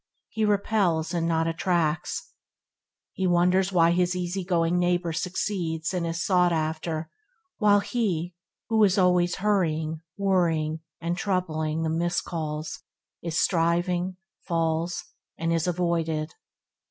He repels, and not attracts. He wonders why his "easy going" neighbour succeeds, and is sought after, while he, who is always hurrying, worrying and troubling the miscalls it striving, falls and is avoided.